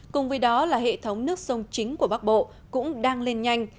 cùng với đó là hệ thống nước sông chính của bắc bộ cũng đang lên nhanh